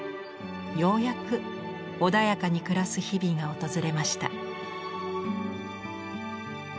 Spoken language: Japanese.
ようやく穏やかに暮らす日々が訪れました。